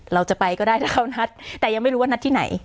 เราจะไปก็ได้ถ้าเรานัดแต่ยังไม่รู้ว่านัดที่ไหน